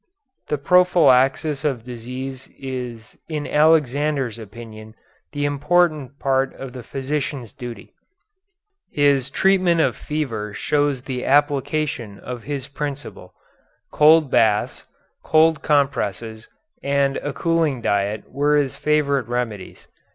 The prophylaxis of disease is in Alexander's opinion the important part of the physician's duty. His treatment of fever shows the application of his principle: cold baths, cold compresses, and a cooling diet, were his favorite remedies.